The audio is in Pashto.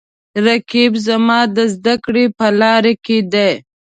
رقیب زما د زده کړې په لاره کې دی